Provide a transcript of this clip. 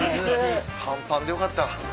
半パンでよかった。